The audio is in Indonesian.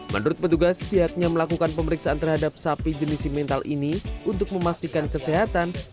menurut petugas pihaknya melakukan pemeriksaan terhadap sapi jenis simental ini untuk memastikan kesehatan